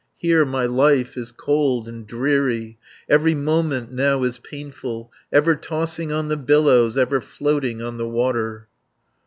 Here my life is cold and dreary, Every moment now is painful, Ever tossing on the billows, Ever floating on the water.